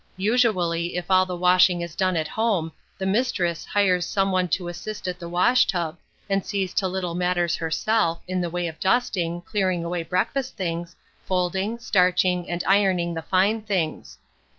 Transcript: Usually, if all the washing is done at home, the mistress hires some one to assist at the wash tub, and sees to little matters herself, in the way of dusting, clearing away breakfast things, folding, starching, and ironing the fine things.